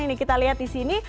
ini kita lihat di sini